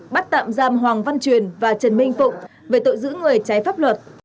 bắt tạm giam hoàng văn truyền và trần minh phụng về tội giữ người trái pháp luật